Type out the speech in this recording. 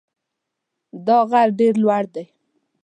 دا غر ډېر لوړ دی.